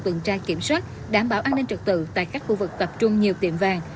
tuần tra kiểm soát đảm bảo an ninh trực tự tại các khu vực tập trung nhiều tiệm vàng